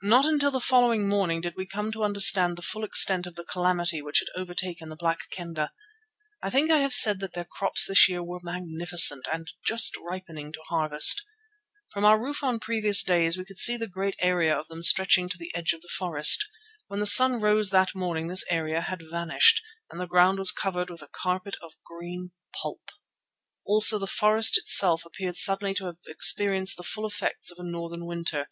Not until the following morning did we come to understand the full extent of the calamity which had overtaken the Black Kendah. I think I have said that their crops this year were magnificent and just ripening to harvest. From our roof on previous days we could see a great area of them stretching to the edge of the forest. When the sun rose that morning this area had vanished, and the ground was covered with a carpet of green pulp. Also the forest itself appeared suddenly to have experienced the full effects of a northern winter.